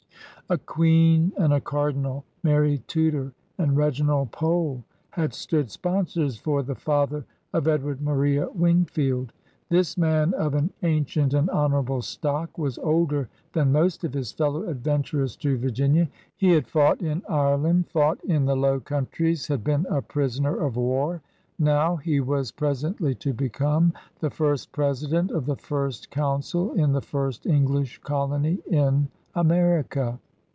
A Queen and a Cardinal — Mary Tudor and Reginald Pole — had stood sponsors for the father of Edward Maria Wingfield. This man, of an ancient and honorable stock, was older than most of his fellow adventurers to Virginia. He had fought in Lreland, fought in the Low Countries, had been a prisoner of war. Now he was presently to become ^^the first president of the first council in the first English colony in America.